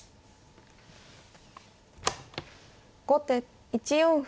後手１四歩。